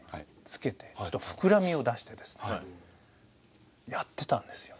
つけてちょっと膨らみを出してですねやってたんですよ。